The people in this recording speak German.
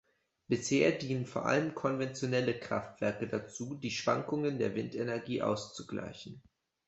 Bisher dienen vor allem konventionelle Kraftwerke dazu, die Schwankungen der Windenergie ausgleichen.